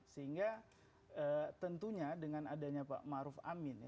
sehingga tentunya dengan adanya pak maruf amin